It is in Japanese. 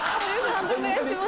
判定お願いします。